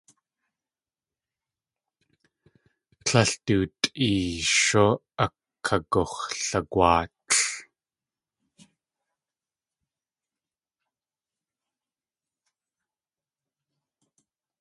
Tlél du tʼeeyshú akagux̲lagwaatl.